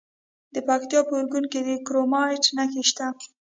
د پکتیکا په اورګون کې د کرومایټ نښې شته.